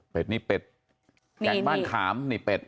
เป็นนี่เป็ดแกงบ้านขามนี่เป็ด